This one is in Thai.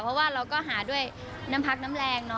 เพราะว่าเราก็หาด้วยน้ำพักน้ำแรง